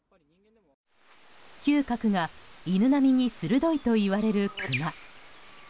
嗅覚が犬並みに鋭いといわれるクマ。